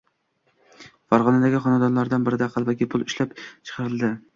Farg‘onadagi xonadonlaridan birida qalbaki pul “ishlab chiqarildi”